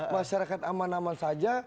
masyarakat aman aman saja